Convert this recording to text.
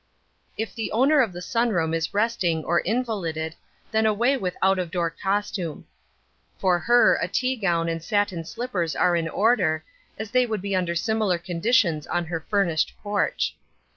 If the owner of the sun room is resting or invalided then away with out of door costume. For her a tea gown and satin slippers are in order, as they would be under similar conditions on her furnished porch.